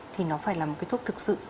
thì nó phải là một cái thuốc thực sự